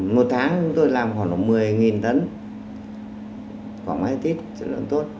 một tháng tôi làm khoảng một mươi tấn khoảng máy tít chất lượng tốt